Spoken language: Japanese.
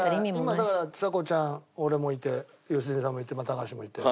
今だからちさ子ちゃん俺もいて良純さんもいて高橋もいて。